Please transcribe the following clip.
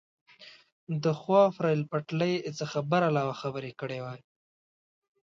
د خواف ریل پټلۍ څخه برعلاوه خبرې کړې وای.